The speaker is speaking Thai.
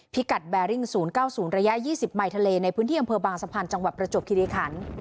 กัดแบริ่ง๐๙๐ระยะ๒๐ใหม่ทะเลในพื้นที่อำเภอบางสะพานจังหวัดประจวบคิริขัน